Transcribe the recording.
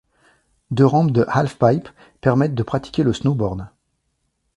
Deux rampes de halfpipe permettent de pratiquer le snowboard.